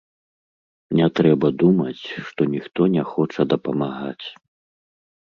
Не трэба думаць, што ніхто не хоча дапамагаць.